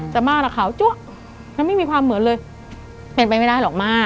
แต่ม่าล่ะขาวจั๊วแล้วไม่มีความเหมือนเลยเป็นไปไม่ได้หรอกม่า